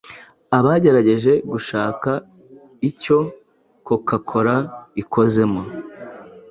Abagerageje gushaka icyo coca cola ikozemo